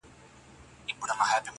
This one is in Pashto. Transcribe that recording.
مشره زه يم کونه د دادا لو ده.